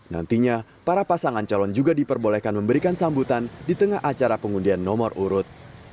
nantinya para pasangan calon juga diperbolehkan memberikan sambutan di tengah acara pengundian nomor urut